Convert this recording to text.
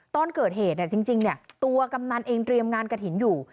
ตอนเกิดเหตุจริงตัวกำนันเองเตรียมงานกระถิ่นอยู่